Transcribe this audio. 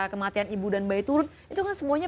kematian ibu dan bayi turun itu kan semuanya